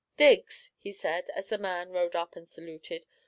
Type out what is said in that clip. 'Diggs,' he said, as the man rode up and saluted.